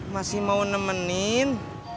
masih mau nemenin